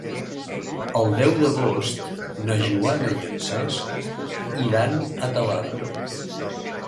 El deu d'agost na Joana i en Cesc iran a Talarn.